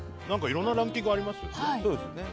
いろんなランキングありますよね。